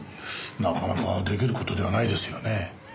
なかなか出来る事ではないですよね。